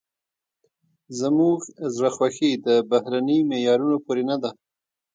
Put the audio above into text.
زموږ زړه خوښي د بهرني معیارونو پورې نه ده.